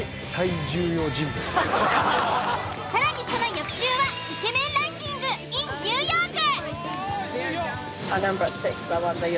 更にその翌週はイケメンランキングｉｎニューヨーク。